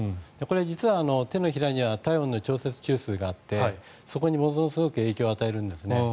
実は手のひらには体温の調整中枢があってそこにものすごく影響を与えるんです。